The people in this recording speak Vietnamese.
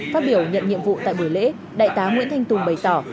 phát biểu nhận nhiệm vụ tại buổi lễ đại tá nguyễn thanh tùng bày tỏ